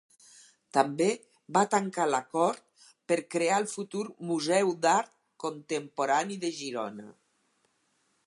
També va tancar l’acord per crear el futur Museu d’Art Contemporani de Girona.